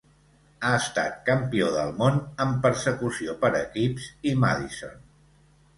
Ha estat campió del món en Persecució per equips i Madison.